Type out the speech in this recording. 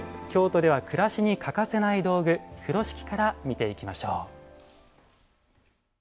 京都では暮らしに欠かせない道具風呂敷から、見ていきましょう。